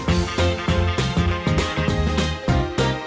อุ้ยตัวนี้ใหญ่